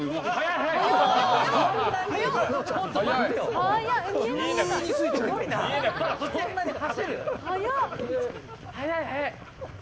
速い、速い。